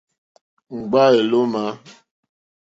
Éŋɡbá èlómà.